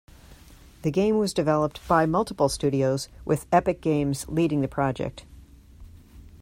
The game was developed by multiple studios, with Epic Games leading the project.